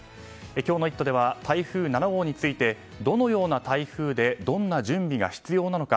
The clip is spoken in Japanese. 今日の「イット！」では台風７号についてどのような台風でどんな準備が必要なのか